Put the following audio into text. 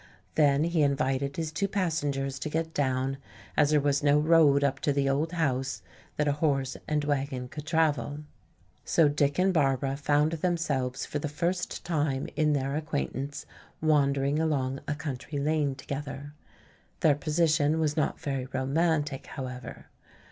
Then he invited his two passengers to get down, as there was no road up to the old house that a horse and wagon could travel. So Dick and Barbara found themselves for the first time in their acquaintance wandering along a country lane together. Their position was not very romantic, however.